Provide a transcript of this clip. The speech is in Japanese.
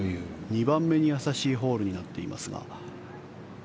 ２番目に易しいホールになっていますが。